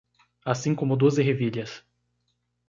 Assim como duas ervilhas